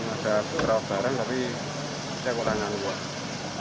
ada beberapa barang tapi tidak kurangkan dua